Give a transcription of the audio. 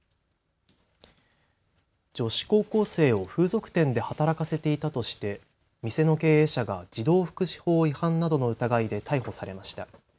女子高校生を風俗店で働かせていたとして店の経営者が児童福祉法違反などの疑いで逮捕されました。